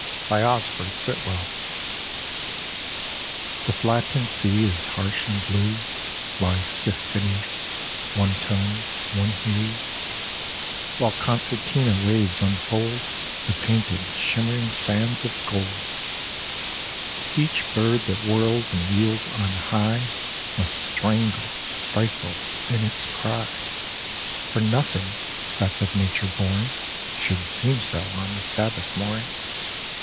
^ I ^HE flattened sea is harsh and blue —■• Lies stiff beneath — one tone, one hue, While concertina waves unfold The painted shimmering sands of gold. Each bird that whirls and wheels on high Must strangle, stifle in, its cry. For nothing that's of Nature born Should seem so on the Sabbath morn.